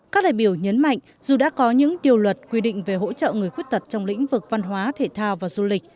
các đại biểu nhấn mạnh dù đã có những điều luật quy định về hỗ trợ người khuyết tật trong lĩnh vực văn hóa thể thao và du lịch